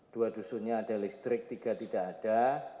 dua dusunnya ada listrik tiga tidak ada